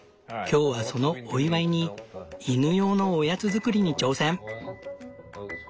今日はそのお祝いに犬用のおやつ作りに挑戦！